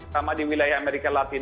sama di wilayah amerika latin